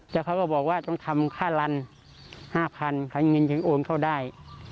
แล้วเขาก็บอกว่าต้องทำค่าลันห้าพันค่าเงินจึงโอนเข้าได้